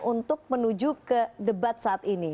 untuk menuju ke debat saat ini